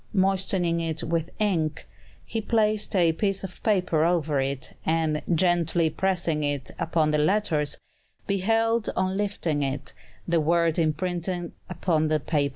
Moistening it with ink, he placed a piece of paper over it, and, gently pressing it upon the letters, beheld, on lifting it, the word imprinted upon the paper.